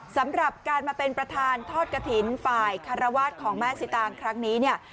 สำหรับการมาเป็นประธานทอดกระถิ่นฝ่ายคารวาสของแม่สิตางครั้งนี้เนี่ย